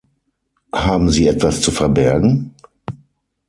Haben sie etwas zu verbergen?